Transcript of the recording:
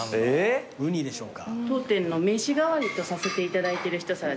当店の名刺代わりとさせていただいてる一皿です。